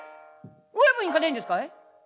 親分行かねえんですかい？」。